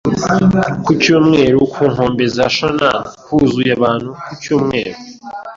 Ku cyumweru, ku nkombe za Shonan huzuye abantu ku cyumweru.